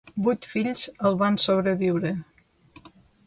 Vuit fills el van sobreviure.